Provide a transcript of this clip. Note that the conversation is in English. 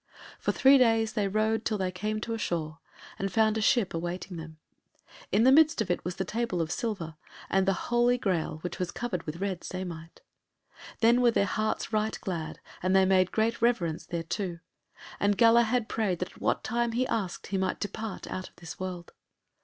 For three days they rode till they came to a shore, and found a ship awaiting them. And in the midst of it was the table of silver, and the Holy Graal which was covered with red samite. Then were their hearts right glad, and they made great reverence thereto, and Galahad prayed that at what time he asked, he might depart out of this world.